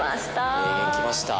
きました。